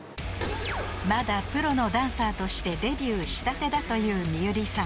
［まだプロのダンサーとしてデビューしたてだというＭＩＹＵＲＩさん］